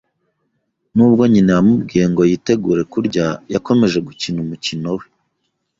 Nubwo nyina yamubwiye ngo yitegure kurya, yakomeje gukina umukino we.